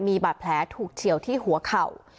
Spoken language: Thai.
มีบาดแผลถูกเฉียวที่หัวเข่า